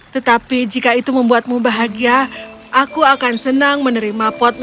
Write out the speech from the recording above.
tetapi jika itu membuatmu bahagia aku akan sendiri berterima kasih padamu